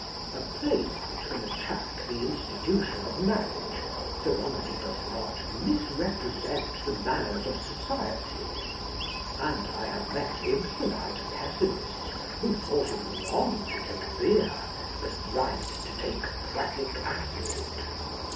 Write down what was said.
A playwright can attack the insti tution of marriage so long as he does not misrepresent the manners of society, and I On Lying in Bed have met Ibsenite pessimists who thought it wrong to take beer but right to take prussic acid.